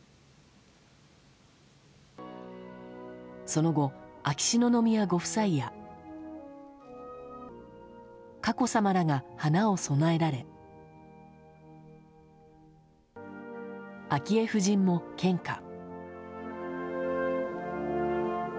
その後、秋篠宮ご夫妻や佳子さまらが花を供えられ昭恵夫人も献花。